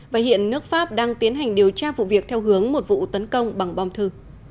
và hiện nước pháp đang tiến hành điều tra vụ việc theo hướng một vụ tấn công bằng bom thư